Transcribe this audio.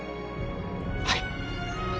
はい。